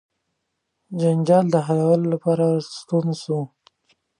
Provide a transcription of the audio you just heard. جنجال د حلولو لپاره ورستون سو.